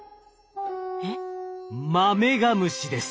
マメガムシです。